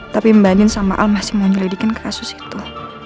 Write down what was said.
tapi mbak adin sama al masih mau nyelidikin kasus itu